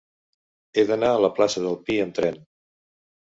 He d'anar a la plaça del Pi amb tren.